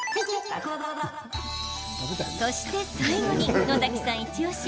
そして最後に、野崎さんイチおし